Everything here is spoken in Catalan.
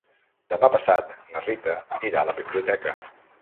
Demà passat na Rita irà a la biblioteca.